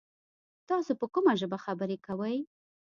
تاسو په کومه ژبه خبري کوی ؟